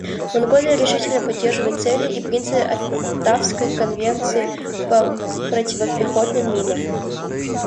Монголия решительно поддерживает цели и принципы Оттавской конвенции по противопехотным минам.